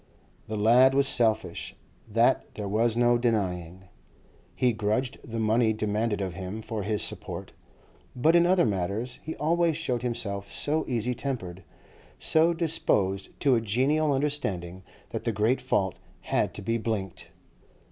The lad was selfish, that there was no denying; he grudged the money demanded of him for his support; but in other matters he always showed himself so easy tempered, so disposed to a genial understanding, that the great fault had to be blinked.